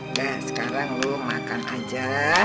nah sekarang lu makan aja